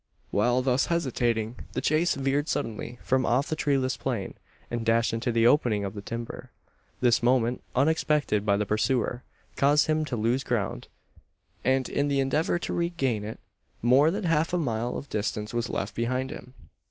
While thus hesitating, the chase veered suddenly from off the treeless plain, and dashed into the opening of the timber. This movement, unexpected by the pursuer, caused him to lose ground; and in the endeavour to regain it, more than a half mile of distance was left behind him.